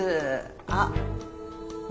あっ何？